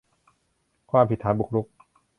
ความผิดฐานบุกรุก